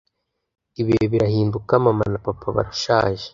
Ibihe birahinduka Mama na Papa barashaje